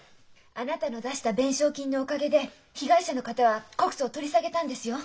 あなたの出した弁償金のおかげで被害者の方は告訴を取り下げたんですよ。